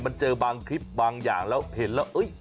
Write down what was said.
มันเจอบางคลิปบางอย่างแล้วเห็นแล้ว